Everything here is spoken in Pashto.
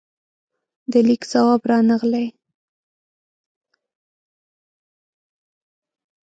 د لیک ځواب رانغلې